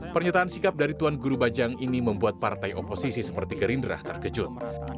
pernyataan sikap dari tuan guru bajang ini membuat partai oposisi seperti gerindra terkejut